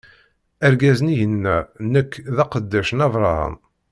Argaz-nni yenna: Nekk, d aqeddac n Abṛaham.